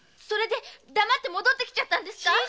それで黙って戻ってきたんですか！